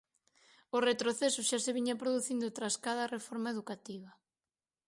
O retroceso xa se viña producindo tras cada reforma educativa.